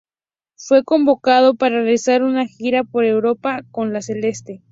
Fue convocado para realizar una gira por Europa con la Celeste.